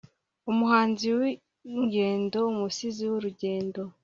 umuhanzi wingendo, umusizi wurugendo